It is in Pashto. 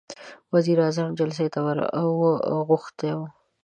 وزير اعظم جلسې ته ور غوښتی و.